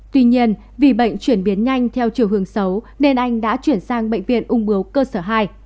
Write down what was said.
tuy nhiên vì bệnh chuyển biến nhanh theo chiều hướng xấu nên anh đã chuyển sang bệnh viện ung bướu cơ sở hai